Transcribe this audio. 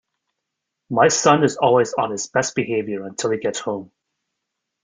My son is always on his best behaviour until he gets home.